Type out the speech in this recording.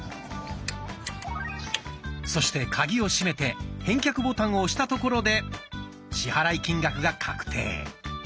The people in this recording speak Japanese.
そしてカギを閉めて返却ボタンを押したところで支払い金額が確定。